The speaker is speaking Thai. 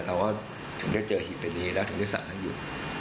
เราถึงจะเจอหีบใบนี้แล้วถึงจะสั่งให้อยู่